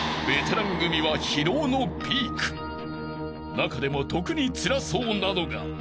［中でも特につらそうなのが］